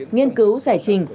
nghiên cứu giải trình